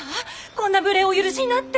こんな無礼をお許しになって！